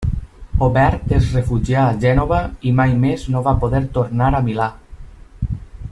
Obert es refugià a Gènova i mai més no va poder tornar a Milà.